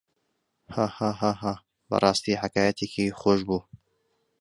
هاهاها بەڕاستی حەکایەتێکی خۆش بوو.